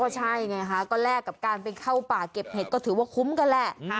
ใช่ไงคะก็แลกกับการไปเข้าป่าเก็บเห็ดก็ถือว่าคุ้มกันแหละ